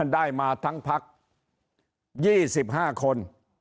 ได้มาทั้งพัก๒๕คน